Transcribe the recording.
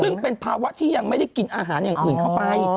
ซึ่งเป็นภาวะที่ยังไม่ได้กินอาหารอย่างอื่นเข้าไป